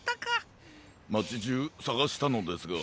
まちじゅうさがしたのですが。